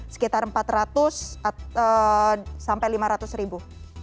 sekitar empat ratus sampai lima ratus ribu